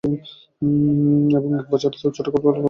এবং একই বছর তাঁর ছোটোগল্পগ্রন্থ গুলদস্তা প্রকাশিত হয়।